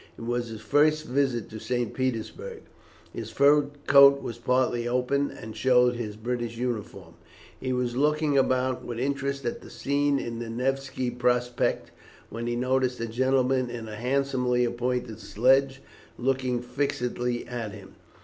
It was his first visit to St. Petersburg. His fur coat was partly open and showed his British uniform. He was looking about with interest at the scene in the Nevsky Prospect when he noticed a gentleman in a handsomely appointed sledge looking fixedly at him.